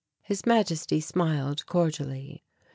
His Majesty smiled cordially.